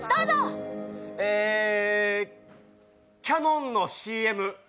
キヤノンのＣＭ。